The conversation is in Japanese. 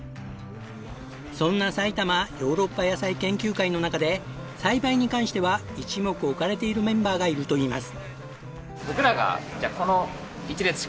そんなさいたまヨーロッパ野菜研究会の中で栽培に関しては一目置かれているメンバーがいるといいます。